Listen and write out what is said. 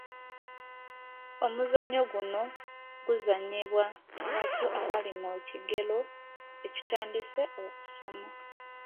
Omuzannyo guno guzannyibwa abato abali mu kigero ekitandise okusoma.